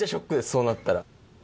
そうなったら。